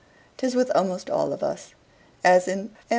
'Tis with almost all of us, as in M.